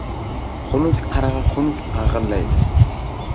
• Xunuk qarg‘a xunuk qag‘illaydi.